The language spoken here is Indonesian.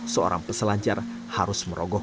seorang peselancar harus merogohkan